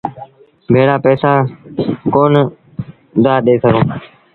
ڀيڙآ پئيٚسآ ڪونا دآ ڏي سگھون۔